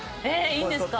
いいんですか？